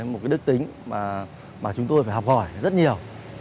một cái đức tính mà chúng tôi phải học hỏi rất nhiều